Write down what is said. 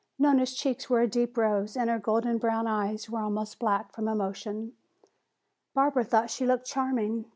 Nona's cheeks were a deep rose and her golden brown eyes were almost black from emotion. Barbara thought she looked charming.